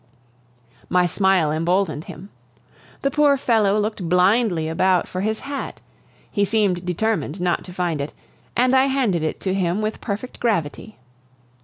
My smile emboldened him. The poor fellow looked blindly about for his hat; he seemed determined not to find it, and I handed it to him with perfect gravity.